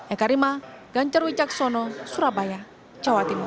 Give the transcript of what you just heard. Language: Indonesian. eka rima gancer wicaksono surabaya jawa timur